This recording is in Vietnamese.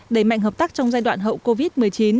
đẩy mạnh hợp tác trong giai đoạn hậu covid một mươi chín